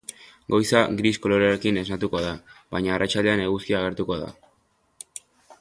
Goiza gris kolorearekin esnatuko da, baina arratsaldean eguzkia agertuko da.